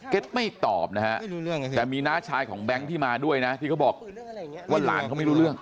ไม่ตอบนะฮะแต่มีน้าชายของแบงค์ที่มาด้วยนะที่เขาบอกว่าหลานเขาไม่รู้เรื่อง